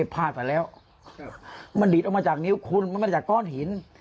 พลาดมาแล้วมันดิดออกมาจากนิ้วคุณมันมาจากก้อนหิน